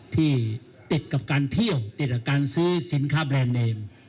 ที่ติดกับการเที่ยวติดกับการซื้อสินค้าแบรนด์เนม